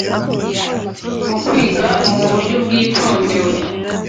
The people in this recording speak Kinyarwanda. mu kwiga mu buryo bwitondewe